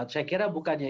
saya kira bukannya